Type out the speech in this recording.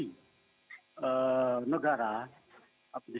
dengan mengetuk hati negara